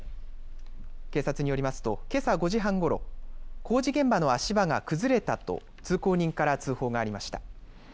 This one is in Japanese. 警察によりますとけさ５時半ごろ、工事現場の足場が崩れたと通行人から通報がありました。